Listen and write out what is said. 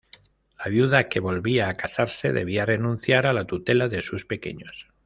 La viuda que volvía a casarse debía renunciar a la tutela de sus pequeños.